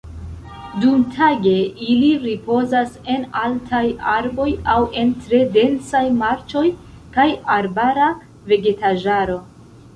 Dumtage ili ripozas en altaj arboj aŭ en tre densaj marĉoj kaj arbara vegetaĵaro.